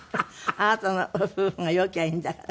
あなたの夫婦が良きゃいいんだから。